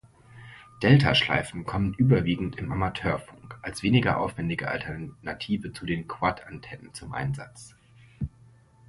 Delta-Schleifen kommen überwiegend im Amateurfunk, als weniger aufwendige Alternative zu den Quad-Antennen zum Einsatz.